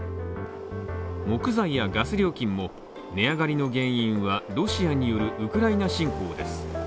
木材やガス料金も値上がりの原因は、ロシアによるウクライナ侵攻です。